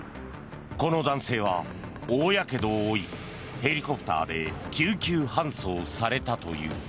この男性は大やけどを負いヘリコプターで救急搬送されたという。